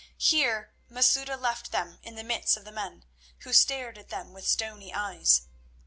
Here Masouda left them in the midst of the men, who stared at them with stony eyes.